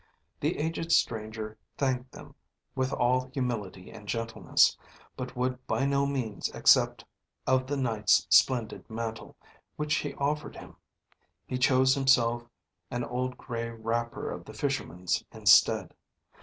The aged stranger thanked them with all humility and gentleness, but would by no means accept of the Knight's splendid mantle, which he offered him; he chose himself an old gray wrapper of the Fisherman's instead.